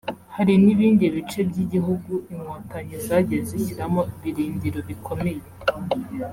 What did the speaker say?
hari n’ibindi bice by’igihugu Inkotanyi zagiye zishyiramo ibirindiro bikomeye